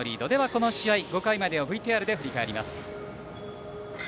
この試合、５回までをＶＴＲで振り返ります。